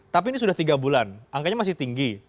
tapi ini sudah tiga bulan angkanya masih tinggi